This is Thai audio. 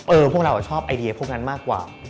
พวกเราชอบไอเดียพวกนั้นมากกว่า